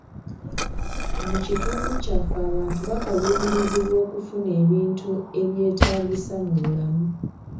Mu kitundu kyaffe abantu bakaluubirizibwa okufuna ebintu ebyetaagisa mu bulamu.